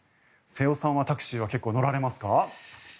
瀬尾さんはタクシーは結構、乗られますか？